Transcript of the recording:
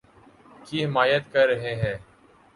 کی حمایت کر رہے ہیں